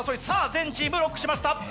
さぁ全チームロックしました。